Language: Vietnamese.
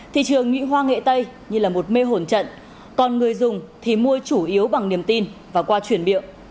thị trường nhụy hoa nghệ tây như là một mê hồn trận còn người dùng thì mua chủ yếu bằng niềm tin và qua truyền biệu